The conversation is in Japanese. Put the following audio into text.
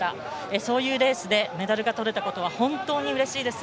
そういうレースでメダルがとれたことは本当にうれしいです。